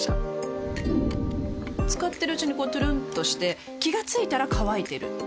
使ってるうちにこうトゥルンとして気が付いたら乾いてる